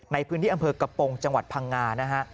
ในพื้นที่อำเภอกระโปรงจังหวัดพังงานะฮะ